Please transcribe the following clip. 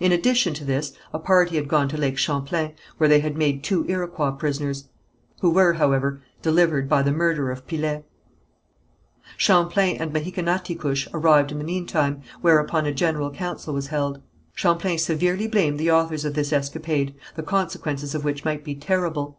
In addition to this a party had gone to Lake Champlain, where they had made two Iroquois prisoners, who were, however, delivered by the murderer of Pillet. Champlain and Mahicanaticouche arrived in the meantime, whereupon a general council was held. Champlain severely blamed the authors of this escapade, the consequences of which might be terrible.